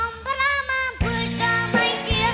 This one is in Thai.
อมประมาพูดก็ไม่เชียว